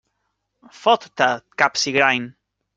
Fot-te, capsigrany!